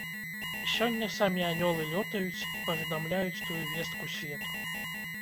Сёння самі анёлы лётаюць і паведамляюць тую вестку свету.